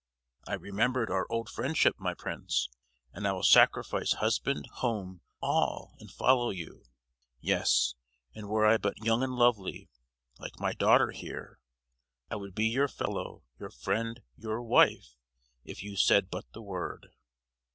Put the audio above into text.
I remembered our old friendship, my Prince; and I will sacrifice husband, home, all, and follow you. Yes, and were I but young and lovely, like my daughter here, I would be your fellow, your friend, your wife, if you said but the word!"